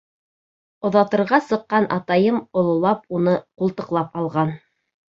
Оҙатырға сыҡҡан атайым ололап уны ҡултыҡлап алған.